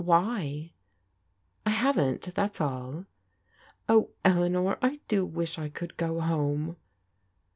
"Why?" " I haven't, that's all." " Oh, Eleanor, I do wish I could go home."